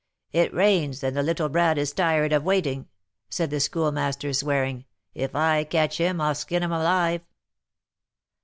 'It rains, and the little brat is tired of waiting,' said the Schoolmaster, swearing; 'if I catch him, I'll skin him alive!'